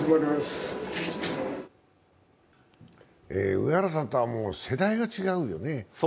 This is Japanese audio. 上原さんとは世代が違うよね？